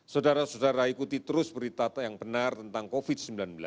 saudara saudara ikuti terus berita yang benar tentang covid sembilan belas